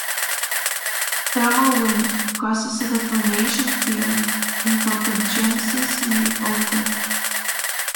Thermal wind causes a deformation field and frontogenesis may occur.